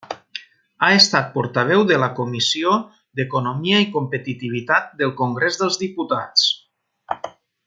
Ha estat portaveu de la comissió d'Economia i Competitivitat del Congrés dels Diputats.